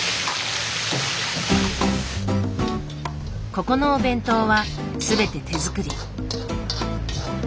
ここのお弁当はすべて手作り。